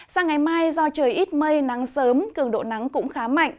sang ngày mai do trời ít mây nắng sớm cường độ nắng cũng khá mạnh